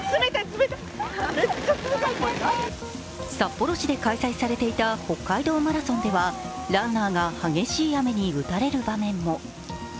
札幌市で開催されていた北海道マラソンではランナーが激しい雨に打たれる場面も。